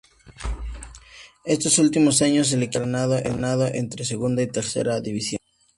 Estos últimos años, el equipo ha alternado entre segunda y tercera división.